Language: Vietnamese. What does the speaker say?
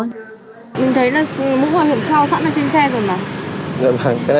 cái này em biết ạ